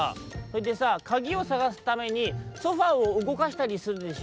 「それでさあかぎをさがすためにソファーをうごかしたりするでしょ」。